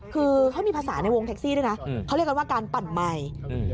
คือเขามีภาษาในวงแท็กซี่ด้วยนะเขาเรียกกันว่าการปั่นไมค์